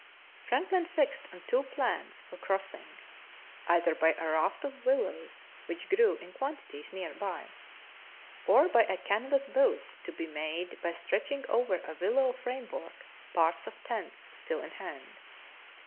Franklin fixed on two plans for crossing. Franklin on the Barren Grounds 31 either by a raft of willows, which grew in quantities near by, or by a canvas boat to be made by stretching over a willow framework parts of tents still in hand.